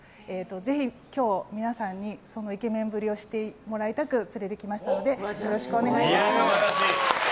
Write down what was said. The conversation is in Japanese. ぜひ今日、皆さんにそのイケメンぶりを知ってもらいたく連れてきましたのでどうぞよろしくお願いいたします。